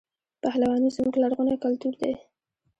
پهلواني زموږ لرغونی کلتور دی.